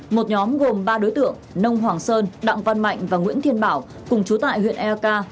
một nhóm gồm ba đối tượng nông hoàng sơn đặng văn mạnh và nguyễn thiên bảo cùng chú tại huyện eak